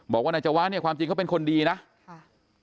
บอกว่านายจวะเนี่ยความจริงเขาเป็นคนดีนะค่ะ